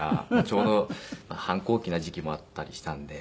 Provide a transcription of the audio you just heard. ちょうど反抗期な時期もあったりしたんで。